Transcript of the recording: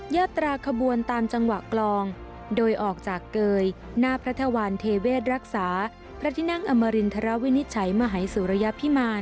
ยาตราขบวนตามจังหวะกลองโดยออกจากเกยหน้าพระธวรรณเทเวศรักษาพระทินั่งอมรินทรวินิจฉัยมหายสุรยพิมาร